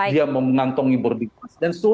dia mengantongi boarding pass